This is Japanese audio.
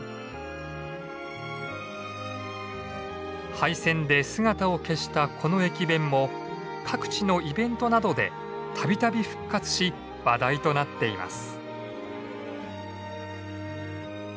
廃線で姿を消したこの駅弁も各地のイベントなどでたびたび復活し話題となっています。